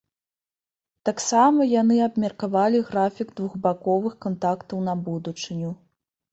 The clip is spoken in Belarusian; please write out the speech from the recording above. Таксама яны абмеркавалі графік двухбаковых кантактаў на будучыню.